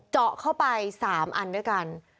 เจาะเข้าไป๓อันด้วยกัน